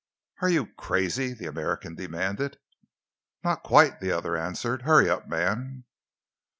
"Are you crazy?" the American demanded. "Not quite," the other answered. "Hurry up, man."